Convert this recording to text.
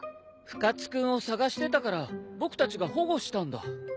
深津君を捜してたから僕たちが保護したんだ。